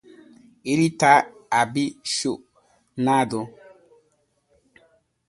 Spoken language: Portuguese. Ele tá abichornado